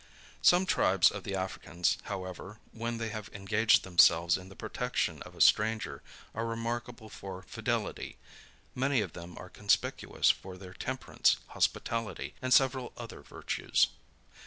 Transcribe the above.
Some tribes of the Africans, however, when they have engaged themselves in the protection of a stranger, are remarkable for fidelity. Many of them are conspicuous for their temperance, hospitality, and several other virtues.